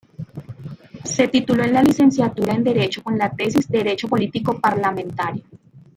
Se tituló en la licenciatura en derecho con la tesis "Derecho Político Parlamentario.